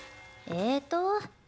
えと？